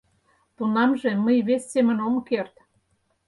Тунамже мый вес семын ом керт!